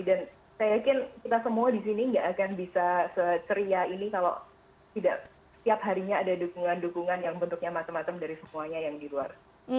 dan saya yakin kita semua disini gak akan bisa seceria ini kalau tidak setiap harinya ada dukungan dukungan yang bentuknya matem matem dari semuanya yang di luar